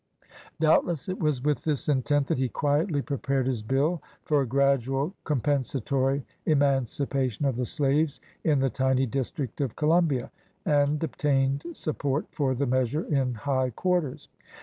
Doubtless it was with this intent that he quietly prepared his bill for gradual compensatory eman cipation of the slaves in the tiny District of Co lumbia, and obtained support for the measure in high quarters.